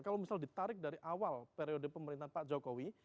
kalau misalnya ditarik dari awal periode pemerintahan pak jokowi